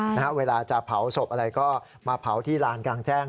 เวลาจะเผาศพอะไรก็มาเผาที่ลานกลางแจ้ง